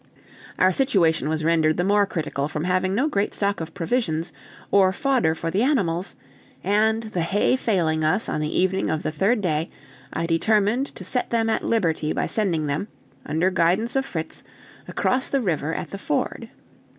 Our situation was rendered the more critical from having no great stock of provisions, or fodder for the animals; and the hay failing us on the evening of the third day, I determined to set them at liberty by sending them, under guidance of Fritz, across the river at the ford.